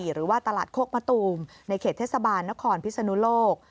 หรือว่าตลาดโคกมะตูมในเขตเทศบาลนครพิศนุโลก